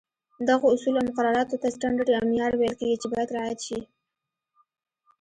دغو اصولو او مقرراتو ته سټنډرډ یا معیار ویل کېږي، چې باید رعایت شي.